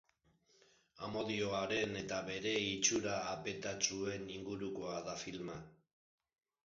Amodioaren eta bere itxura apetatsuen ingurukoa da filma.